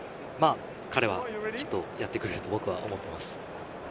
彼はきっとやってくれると僕は思っています。